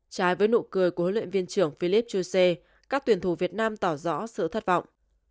trái với nụ cười của huấn luyện viên trưởng philipp chuse các tuyển thủ việt nam tỏ rõ sự thất vọng